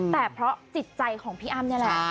แต่เพราะจิตใจของพี่อ้ำนี่แหละ